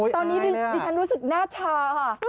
ตอนนี้ดิฉันรู้สึกหน้าชาค่ะ